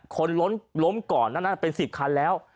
คนล้มก่อนนั้นเป็น๑๐คันแล้ว